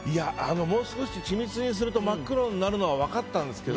もう少し緻密にすると真っ黒になるのは分かったんですけど